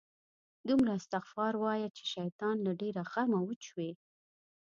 دومره استغفار وایه، چې شیطان له ډېره غمه وچوي